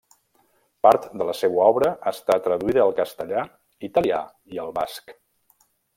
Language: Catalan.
Part de la seua obra està traduïda al castellà, italià i al basc.